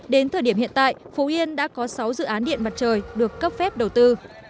đến thời điểm hiện tại phú yên đã có sáu dự án điện mặt trời được cấp phép đầu tư